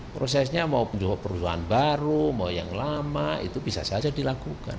prosesnya mau menjual perusahaan baru mau yang lama itu bisa saja dilakukan